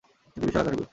তিনটি বিশাল আকারের বিল।